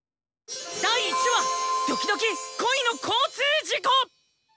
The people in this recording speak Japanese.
第１話「ドキドキ☆恋の交通事故」。